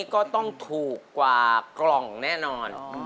ก็ต้องถูกกว่ากล่องแน่นอน